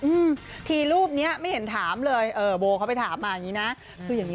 อืมทีรูปเนี้ยไม่เห็นถามเลยเออโบเขาไปถามมาอย่างงี้นะคืออย่างงี